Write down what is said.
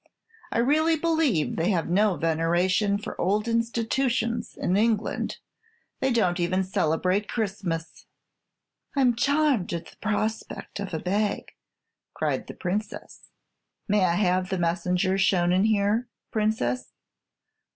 I really believe they have no veneration for old institutions in England. They don't even celebrate Christmas!" "I'm charmed at the prospect of a bag," cried the Princess. "May I have the messenger shown in here, Princess?"